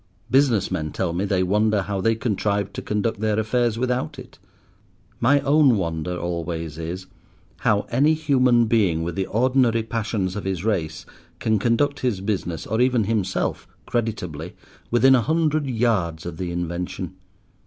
Business men tell me they wonder how they contrived to conduct their affairs without it. My own wonder always is, how any human being with the ordinary passions of his race can conduct his business, or even himself, creditably, within a hundred yards of the invention.